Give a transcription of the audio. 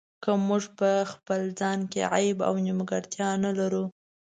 که موږ په خپل ځان کې عیب او نیمګړتیا نه لرو.